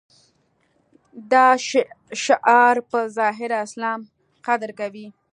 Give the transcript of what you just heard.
دا شعار په ظاهره اسلام قدر کوي.